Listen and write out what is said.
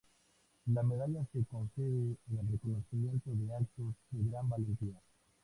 La medalla se concede en reconocimiento de "actos de gran valentía".